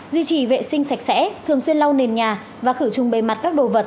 duy trì vệ sinh sạch sẽ thường xuyên lau nền nhà và khử trùng bề mặt các đồ vật